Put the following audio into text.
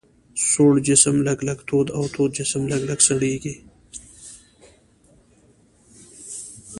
سوړ جسم لږ لږ تود او تود جسم لږ لږ سړیږي.